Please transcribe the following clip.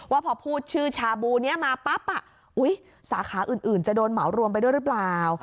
ว่าพอพูดชื่อชาบูนี้มาปั๊บสาขาอื่นจะโดนเหมารวมไปด้วยหรือเปล่า